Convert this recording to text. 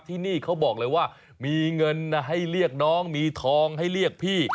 ที่นี่เขาบอกเลยว่ามีเงินให้เรียกน้องมีทองให้เรียกพี่